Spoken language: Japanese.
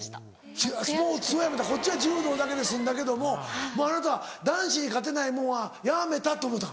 こっちは柔道だけで済んだけどもあなたは男子に勝てないもんはやめた！と思ったん？